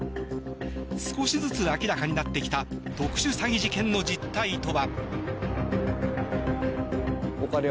少しずつ明らかになってきた特殊詐欺事件の実態とは。